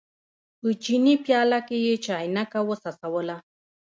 په چیني پیاله کې یې چاینکه وڅڅوله.